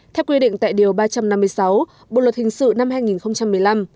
theo quy định tại điều ba trăm năm mươi sáu bộ luật hình sự năm hai nghìn một mươi năm